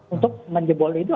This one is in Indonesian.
untuk menjebol itu